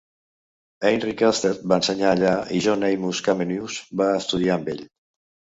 Heinrich Alsted va ensenyar allà i John Amos Comenius va estudiar amb ell.